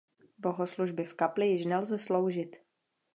Bohoslužby v kapli již nelze sloužit.